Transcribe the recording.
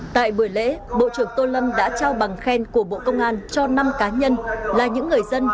tại buổi lễ bộ trưởng tô lâm đã trao bằng khen của bộ công an cho năm cá nhân là những người dân